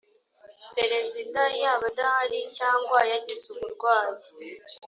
president yaba adahari cyangwa yagize uburwayi